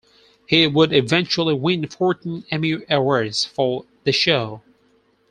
He would eventually win fourteen Emmy Awards for the show.